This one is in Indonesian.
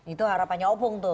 itu harapannya opung tuh